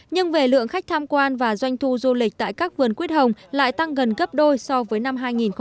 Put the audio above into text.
nhưng về lượng khách tham quan và doanh thu du lịch tại các vườn quyết hồng lại tăng gần gấp đôi so với năm hai nghìn một mươi tám